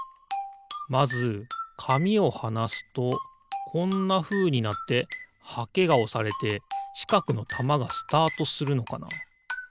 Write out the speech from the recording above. まずかみをはなすとこんなふうになってはけがおされてちかくのたまがスタートするのかな？